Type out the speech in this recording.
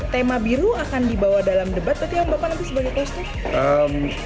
tema biru akan dibawa dalam debat berarti yang bapak nanti sebagai kostum